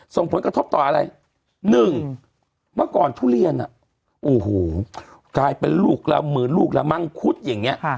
ส่งผลกระทบต่ออะไร๑เมื่อก่อนทุเรียนโอ้โหกลายเป็นลูกละหมื่นลูกละมังคุดอย่างนี้